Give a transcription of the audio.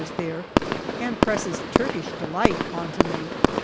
is there, and presses " Turkish delight " on to me.